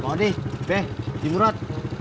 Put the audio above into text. kau deh deh dimurot